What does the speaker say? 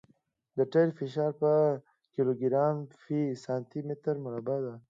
د ټیر فشار په کیلوګرام فی سانتي متر مربع دی